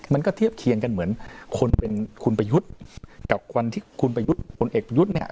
มันก็เทียบเคียงกันเหมือนคนเป็นคุณประยุทธ์กับคนที่คุณประยุทธ์ผลเอกประยุทธ์เนี่ย